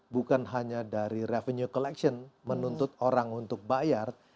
bukan hanya dari revenue collection menuntut orang untuk bayar